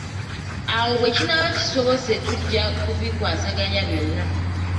Awo bwe kinaaba kisobose tujja kubikwasaganya byonna.